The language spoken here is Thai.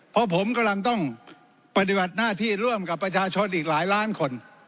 เพราะผมกำลังต้องปฏิบัติหน้าที่ร่วมกับประชาชนอีกหลายล้านคน